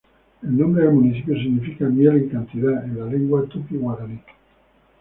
El nombre del municipio significa "miel en cantidad" en la lengua tupi-guarani.